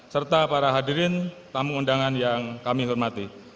serta para hadirin tamu undangan yang kami hormati